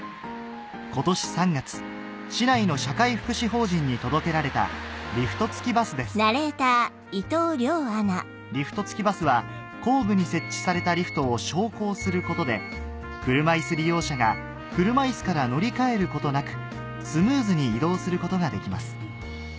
今年３月市内の社会福祉法人に届けられたリフト付きバスは後部に設置されたリフトを昇降することで車いす利用者が車いすから乗り換えることなくスムーズに移動することができます